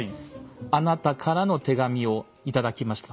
「あなたからの手紙を頂きました」。